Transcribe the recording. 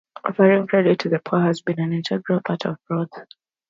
Offering credit to the poor has been an integral part of growth.